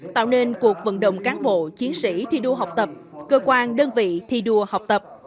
tạo nên cuộc vận động cán bộ chiến sĩ thi đua học tập cơ quan đơn vị thi đua học tập